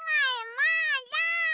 まだ！